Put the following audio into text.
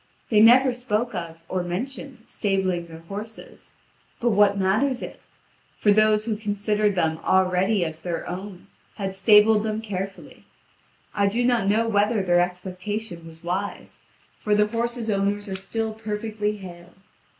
They never spoke of, or mentioned, stabling their horses. But what matters it? For those who considered them already as their own had stabled them carefully. I do not know whether their expectation was wise, for the horses' owners are still perfectly hale.